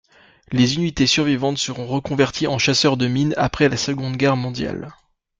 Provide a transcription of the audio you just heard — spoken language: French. Les unités survivantes seront reconverties en chasseur de mines après la Seconde Guerre mondiale.